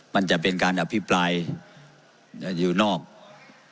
ไม่ได้เป็นประธานคณะกรุงตรี